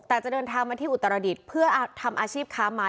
แต่จะเดินทางมาที่อุตรดิษฐ์เพื่อทำอาชีพค้าไม้